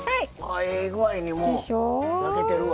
あええ具合にもう焼けてるわ。